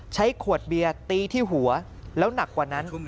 ใช้ขวดเบียร์ตีที่หัวแล้วหนักกว่านั้น